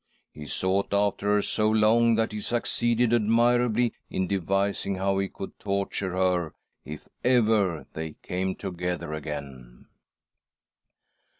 He sought after her so long that he succeeded admirably in devising how he could torture her if ever they came together again."